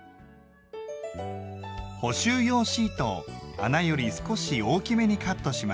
補修用シートを穴より少し大きめにカットします。